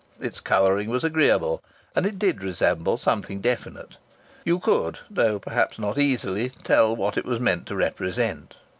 Its colouring was agreeable, and it did resemble something definite. You could, though perhaps not easily, tell what it was meant to represent.